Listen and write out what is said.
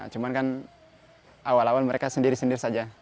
cuma kan awal awal mereka sendiri sendiri saja